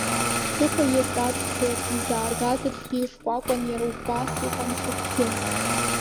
Ҽыхәа иаҵәацқьоуп изааргаз аҽгьы, ишкәакәан, иара убас, иҟамч ахәгьы.